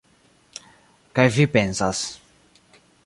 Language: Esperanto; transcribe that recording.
Kaj vi pensas